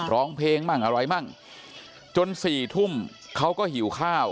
ร้องเพลงมั่งอะไรมั่งจน๔ทุ่มเขาก็หิวข้าว